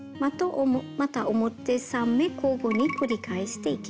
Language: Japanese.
また表３目交互に繰り返していきます。